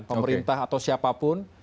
pemerintah atau siapapun